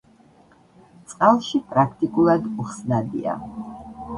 წყალში პრაქტიკულად უხსნადია.